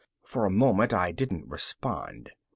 For a moment I didn't respond.